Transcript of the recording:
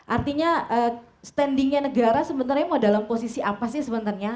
artinya standingnya negara sebenarnya mau dalam posisi apa sih sebenarnya